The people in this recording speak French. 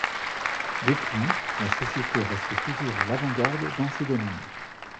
Depuis, la société reste toujours à l'avant garde dans ce domaine.